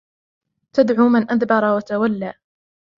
تَدْعُو مَنْ أَدْبَرَ وَتَوَلَّى